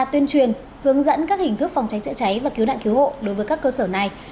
tuyên truyền hướng dẫn các hình thức phòng cháy chữa cháy và cứu nạn cứu hộ đối với các cơ sở này